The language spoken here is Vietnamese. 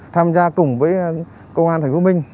tham gia cùng với công an tp hcm